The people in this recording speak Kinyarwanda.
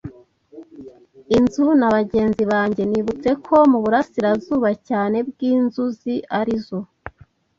inzu na bagenzi banjye. Nibutse ko muburasirazuba cyane bwinzuzi arizo